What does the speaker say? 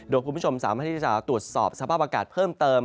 โดยคุณผู้ชมสามารถที่จะตรวจสอบสภาพอากาศเพิ่มเติม